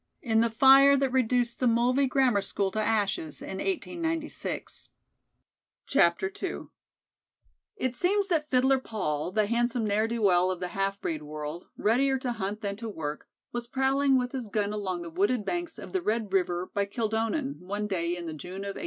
in the fire that reduced the Mulvey Grammar School to ashes in 1896. II It seems that Fiddler Paul, the handsome ne'er do well of the half breed world, readier to hunt than to work, was prowling with his gun along the wooded banks of the Red River by Kildonan, one day in the June of 1880.